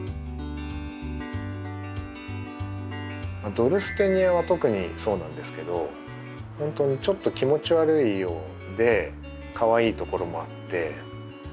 ドルステニアは特にそうなんですけどほんとにちょっと気持ち悪いようでかわいいところもあって。